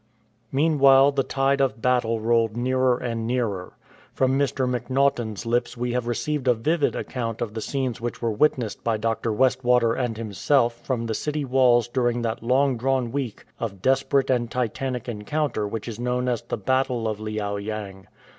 Meanwhile the tide of battle rolled nearer and nearer. From Mr. MacNaughtan's lips we have received a vivid account of the scenes which were witnessed by Dr. West water and himself from the city walls during that long drawn week of desperate and Titanic encounter which is known as the battle of Liao yang.